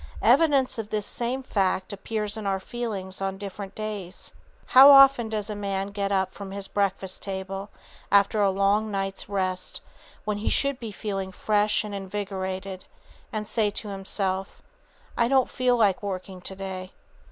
Evidence of this same fact appears in our feelings on different days. How often does a man get up from his breakfast table after a long night's rest, when he should be feeling fresh and invigorated, and say to himself, "I don't feel like working today."